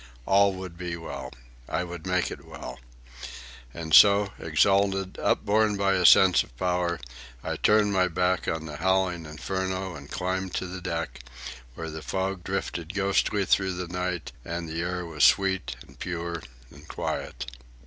All would be well. I would make it well. And so, exalted, upborne by a sense of power, I turned my back on the howling inferno and climbed to the deck, where the fog drifted ghostly through the night and the air was sweet and pure and quiet.